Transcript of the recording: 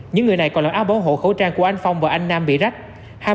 những người này còn mặc áo bảo hộ khẩu trang của anh phong và anh nam bị rách